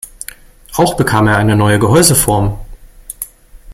Auch bekam er eine neue Gehäuseform.